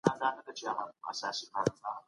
زه کولای سم زده کړه وکړم.